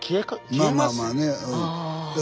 まあまあまあね。